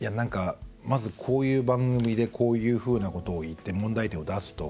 まずこういう番組でこういうふうなことを言って問題点を出すと。